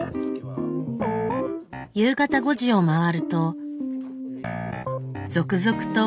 夕方５時を回ると続々とお客さん。